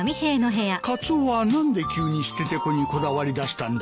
カツオは何で急にステテコにこだわりだしたんだか。